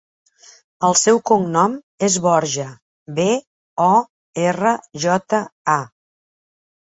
El seu cognom és Borja: be, o, erra, jota, a.